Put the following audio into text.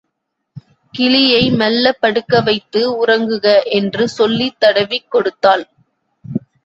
கிளியை மெல்லப் படுக்க வைத்து, உறங்குக என்று சொல்லித் தடவிக் கொடுத்தாள்.